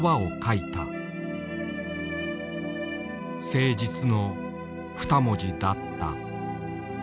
「誠実」の二文字だった。